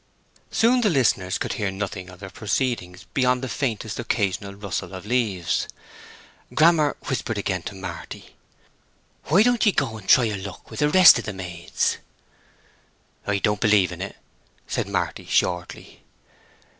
Soon the listeners could hear nothing of their proceedings beyond the faintest occasional rustle of leaves. Grammer whispered again to Marty: "Why didn't ye go and try your luck with the rest of the maids?" "I don't believe in it," said Marty, shortly.